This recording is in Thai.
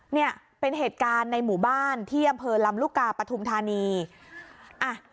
เนี่ยเป็นเหตุการณ์ในหมู่บ้านที่อำเภอลำลูกกาปฐุมธานีอ่ะ